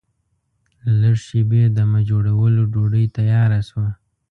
له لږ شېبې دمه جوړولو ډوډۍ تیاره شوه.